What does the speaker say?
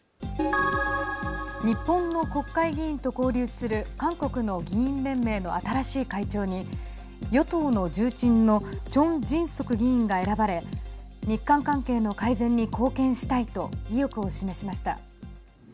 日本の国会議員と交流する韓国の議員連盟の新しい会長に、与党の重鎮のチョン・ジンソク議員が選ばれ日韓関係の改善に貢献したいと意欲を示しました。